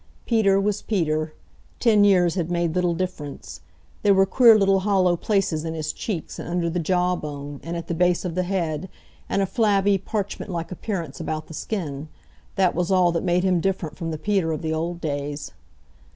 Peter was Peter. Ten years had made little difference. There were queer little hollow places in his cheeks, and under the jaw bone, and at the base of the head, and a flabby, parchment like appearance about the skin. That was all that made him different from the Peter of the old days.